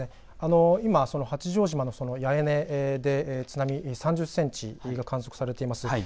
今、八丈島の八重根で津波、３０センチが観測されています。